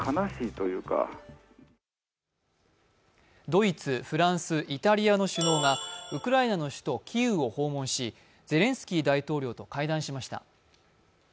ドイツ、フランス、イタリアの首脳がウクライナの首都キーウを訪問し、ゼレンスキー大統領と会談しました。